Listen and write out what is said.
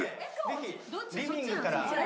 ぜひリビングから。